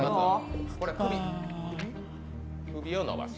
首をのばす。